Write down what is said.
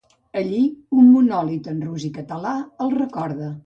Allí un monòlit en rus i català el recorda.